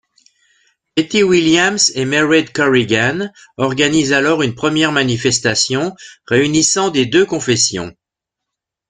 Betty Williams et Mairead Corrigan organisent alors une première manifestation, réunissant des deux confessions.